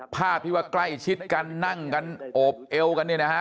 ภาพที่ว่าใกล้ชิดกันนั่งกันโอบเอวกันเนี่ยนะฮะ